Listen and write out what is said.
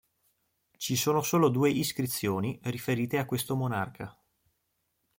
Ci sono solo due iscrizioni riferite a questo monarca.